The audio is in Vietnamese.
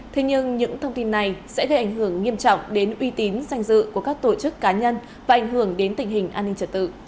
thế nhưng những thông tin này sẽ gây ảnh hưởng nghiêm trọng đến uy tín danh dự của các tổ chức cá nhân và ảnh hưởng đến tình hình an ninh trật tự